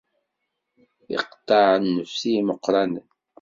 Iqeṭṭeɛ nnefs i yimeqqranen.